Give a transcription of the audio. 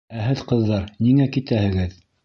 Ә һеҙ, ҡыҙҙар, ниңә китәһегеҙ?